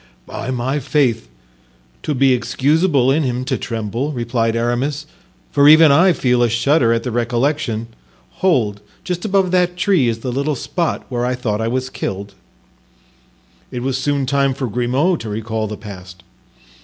"By my faith, 'twould be excusable in him to tremble," replied Aramis, "for even I feel a shudder at the recollection; hold, just above that tree is the little spot where I thought I was killed." It was soon time for Grimaud to recall the past.